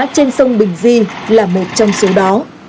trên sông bình di là một trong số đó